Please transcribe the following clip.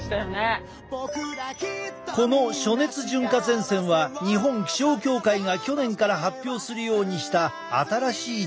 この暑熱順化前線は日本気象協会が去年から発表するようにした新しい情報。